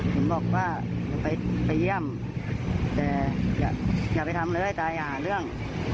ผมบอกว่าอย่าไปเยี่ยมแต่อย่าไปทำเลยตายอย่าหาเรื่อง